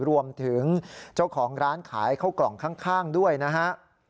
รวมถึงเจ้าของร้านขายข้าวกล่องข้างด้วยนะฮะ